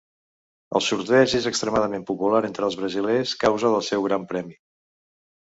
El sorteig és extremadament popular entre els brasilers causa del seu gran premi.